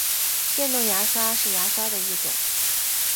电动牙刷是牙刷的一种。